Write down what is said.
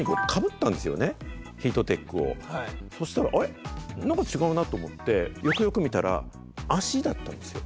あれ⁉何か違うなと思ってよくよく見たら脚だったんですよ。